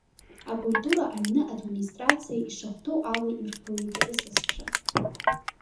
Акультура аҩны администрациа ишахәҭоу ала ирԥылеит рысасцәа.